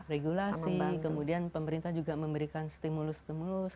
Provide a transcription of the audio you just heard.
regulasi kemudian pemerintah juga memberikan stimulus stimulus